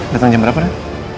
datang jam berapa pak